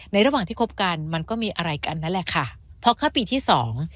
ระหว่างที่คบกันมันก็มีอะไรกันนั่นแหละค่ะพอเข้าปีที่สอง